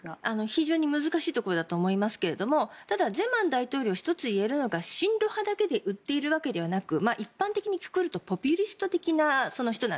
非常に難しいところだと思いますがただ、ゼマン大統領は１つ言えるのは親ロ派だけで売っているわけではなく一般的にくくるとポピュリスト的な人